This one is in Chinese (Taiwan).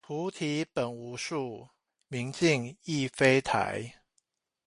菩提本無樹，明鏡亦非台